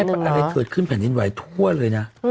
อันนี้ไม่ใช่อะไรเผลอขึ้นแผ่นดินไหวทั่วเลยนะ